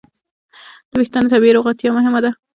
د وېښتیانو طبیعي روغتیا مهمه ده.